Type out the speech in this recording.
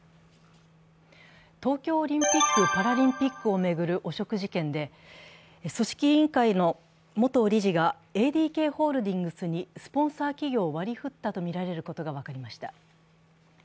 東京オリンピック・パラリンピックを巡る汚職事件で、組織委員会の元理事がＡＤＫホールディングスにスポンサー企業を割り振ったとみられることが分かりました。